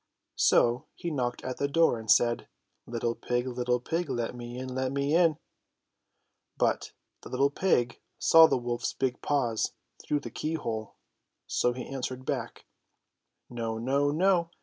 So he knocked at the door and said :*' Little pig! Little pig! Let me in ! Let me in .^'* But the little pig saw the wolPs big paws through the key hole, so he answered back : No! No ! No!